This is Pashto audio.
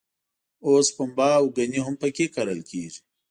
اوس پنبه او ګني هم په کې کرل کېږي.